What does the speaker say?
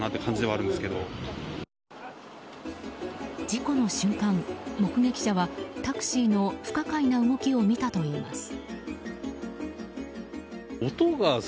事故の瞬間、目撃者はタクシーの不可解な動きを見たといいます。